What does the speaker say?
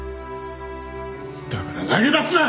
だから投げ出すな！